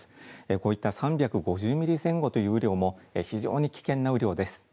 こういった３５０ミリ前後という雨量も非常に危険な雨量です。